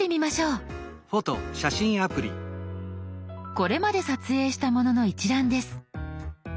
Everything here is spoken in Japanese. これまで撮影したものの一覧です。